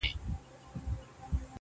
ځی ډېوې سو دغه توري شپې رڼا کړو,